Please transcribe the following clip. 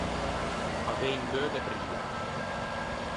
Avei un cheu de pria.